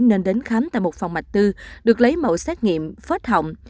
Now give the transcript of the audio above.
nên đến khám tại một phòng mạch tư được lấy mẫu xét nghiệm phết hỏng